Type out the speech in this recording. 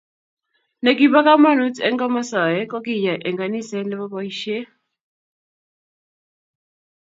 Ne kibo komonut eng komosoe ko kyay eng kaniset ne bo boisie.